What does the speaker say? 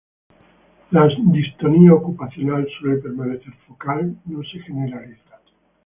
Las distonía ocupacional suele permanecer focal y no se generaliza.